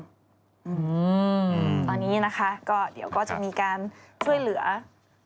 ตอนนี้นะคะเดี๋ยวก็จะมีการช่วยเหลือผู้ประสบภัย